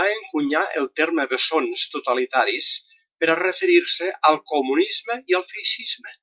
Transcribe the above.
Va encunyar el terme bessons totalitaris per a referir-se al comunisme i al feixisme.